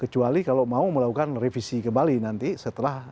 kecuali kalau mau melakukan revisi ke bali nanti setelah